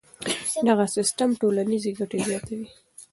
دغه سیستم ټولنیزې ګټې زیاتوي.